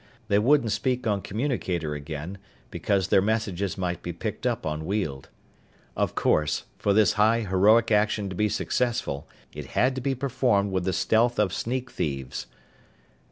They wouldn't speak on communicator again, because their messages might be picked up on Weald. Of course, for this high heroic action to be successful, it had to be performed with the stealth of sneak thieves.